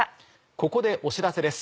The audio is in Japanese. ここでお知らせです。